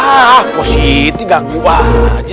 ah positi gak ngubah aja